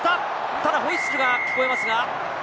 ただホイッスルが聞こえますが。